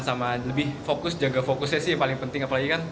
sama lebih fokus jaga fokusnya sih yang paling penting